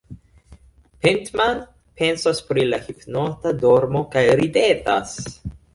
Pentman pensas pri la hipnota dormo kaj ridetas.